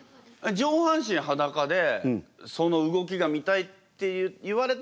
上半身はだかでその動きが見たいって言われたからでも？